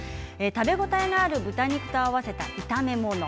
食べ応えのある豚肉と合わせた炒め物。